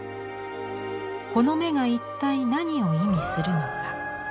この眼が一体何を意味するのか。